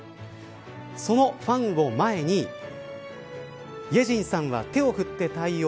そのファンを前にイェジンさんは手を振って対応。